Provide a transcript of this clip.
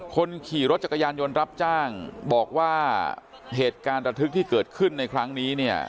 คนขี่รถจักรยานยนต์รับจ้างบอกว่าเหตุการณ์ระทึกที่เกิดขึ้นในครั้งนี้เนี่ย